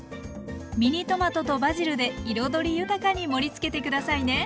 ミニトマトとバジルで彩り豊かに盛りつけて下さいね。